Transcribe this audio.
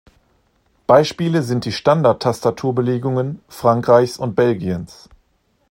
Beispiele sind die Standard-Tastaturbelegungen Frankreichs und Belgiens.